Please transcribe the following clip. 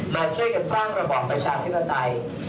มาช่วยกันสร้างระบอบประชาธิปไตย